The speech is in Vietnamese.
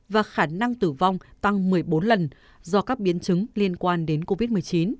và khả năng tử vong tăng một mươi bốn lần do các biến chứng liên quan đến covid một mươi chín